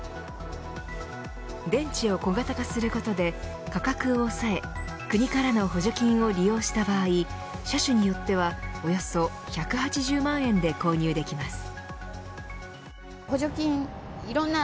電池を小型化することで価格を抑え国からの補助金を利用した場合車種によっては、およそ１８０万円で購入できます。